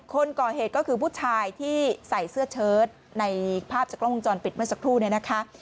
คนก่อเหตุก็คือผู้ชายที่ใส่เสื้อเชิดในภาพจากกล้องวงจรปิดเมื่อสักครู่เนี่ยนะคะ